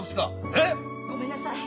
ええ？ごめんなさい。